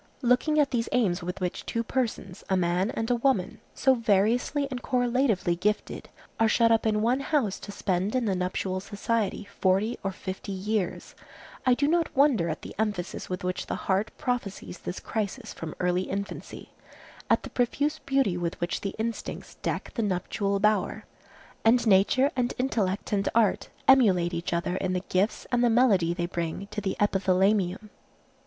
Looking at these aims with which two persons, a man and a woman, so variously and correlatively gifted, are shut up in one house to spend in the nuptial society forty or fifty years, I do not wonder at the emphasis with which the heart prophesies this crisis from early infancy, at the profuse beauty with which the instincts deck the nuptial bower, and nature and intellect and art emulate each other in the gifts and the melody they bring to the epithalamium.